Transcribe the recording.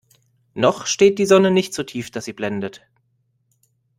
Noch steht die Sonne nicht so tief, dass sie blendet.